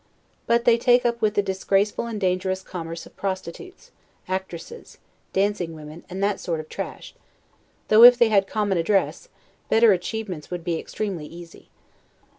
But they take up with the disgraceful and dangerous commerce of prostitutes, actresses, dancing women, and that sort of trash; though, if they had common address, better achievements would be extremely easy.